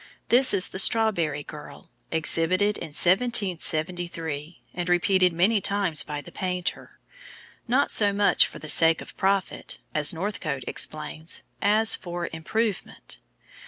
This is the Strawberry Girl, exhibited in 1773, and repeated many times by the painter, "not so much for the sake of profit," as Northcote explains, "as for improvement."